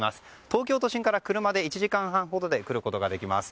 東京都心から車で１時間半ほどで来ることができます。